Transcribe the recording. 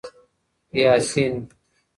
یاسین